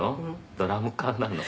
ドラム缶なの」